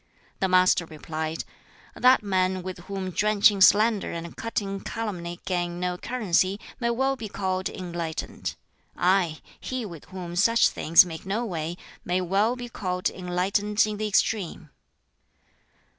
The Master replied, "That man with whom drenching slander and cutting calumny gain no currency may well be called enlightened. Ay, he with whom such things make no way may well be called enlightened in the extreme."